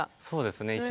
そうですね。